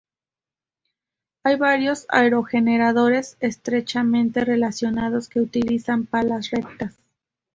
Hay varios aerogeneradores estrechamente relacionados que utilizan palas rectas.